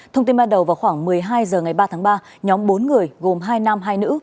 thông tin ban đầu vào khoảng một mươi hai h ngày ba tháng ba nhóm bốn người gồm hai nam hai nữ